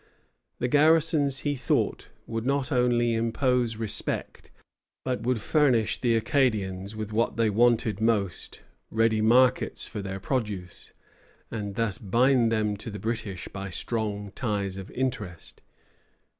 The garrisons, he thought, would not only impose respect, but would furnish the Acadians with what they wanted most, ready markets for their produce, and thus bind them to the British by strong ties of interest.